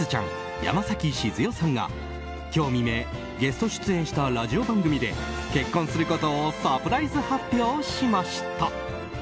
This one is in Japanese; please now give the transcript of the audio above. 山崎静代さんが今日未明、ゲスト出演したラジオ番組で結婚することをサプライズ発表しました。